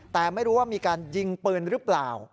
แต่ไม่รู้ว่ามีการยิงปืนหรือเปล่า